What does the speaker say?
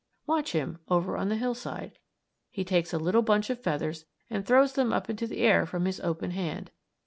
Watch him, over on the hillside. He takes a little bunch of feathers and throws them up into the air from his open hand.